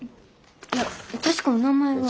いや確かお名前は。